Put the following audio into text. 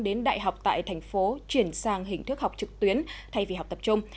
đến đại học tại thành phố chuyển sang hình thức học trực tuyến thay vì học tập trung